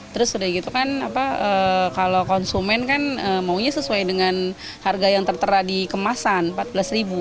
terus udah gitu kan kalau konsumen kan maunya sesuai dengan harga yang tertera di kemasan rp empat belas